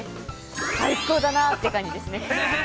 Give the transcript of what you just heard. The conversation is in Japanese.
最高だなあって感じですね。